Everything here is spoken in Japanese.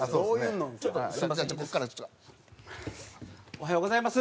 おはようございます。